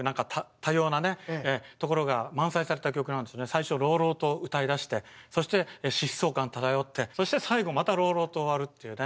最初朗々と歌いだしてそして疾走感漂ってそして最後また朗々と終わるっていうね